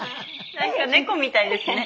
何か猫みたいですね。